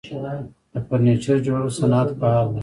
د فرنیچر جوړولو صنعت فعال دی